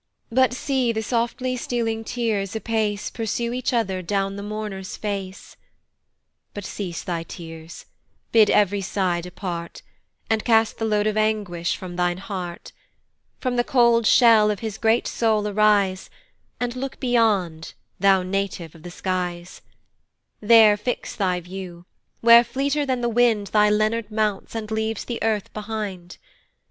But see the softly stealing tears apace Pursue each other down the mourner's face; But cease thy tears, bid ev'ry sigh depart, And cast the load of anguish from thine heart: From the cold shell of his great soul arise, And look beyond, thou native of the skies; There fix thy view, where fleeter than the wind Thy Leonard mounts, and leaves the earth behind.